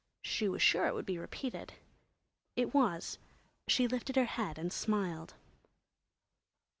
She was sure it would be repeated. It was; she lifted her head and smiled.